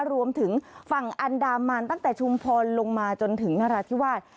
รวมถึงฝั่งอันดามันตั้งแต่ชุมพรลงมาจนถึงนราธิวาส